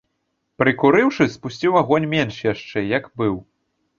Прыкурыўшы, спусціў агонь менш яшчэ, як быў.